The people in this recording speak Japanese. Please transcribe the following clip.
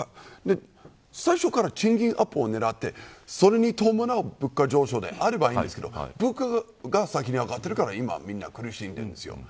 最初から賃金アップを狙ってそれに伴う物価上昇であればいいんですけど物価が先に上がってるからみんな苦しんでいるんです。